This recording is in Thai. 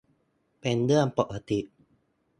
เป็นเรื่องปกติ